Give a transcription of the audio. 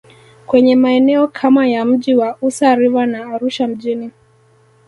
kwenye maeneo kama ya mji wa Usa River na Arusha mjini